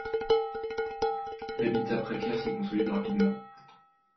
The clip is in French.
L'habitat précaire s'y consolide rapidement.